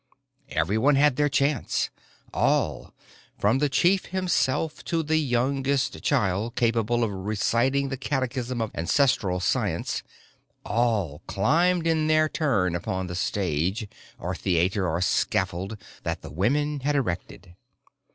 Everyone had their chance. All, from the chief himself to the youngest child capable of reciting the catechism of ancestral science, all climbed in their turn upon the Stage or Theater or Scaffold that the women had erected.